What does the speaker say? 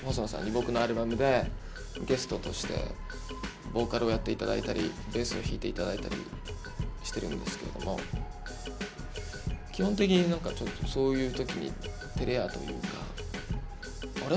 僕のアルバムでゲストとしてボーカルをやっていただいたりベースを弾いていただいたりしてるんですけれども基本的に何かちょっとそういう時にてれ屋というか「あれ？